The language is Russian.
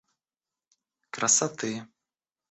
красоты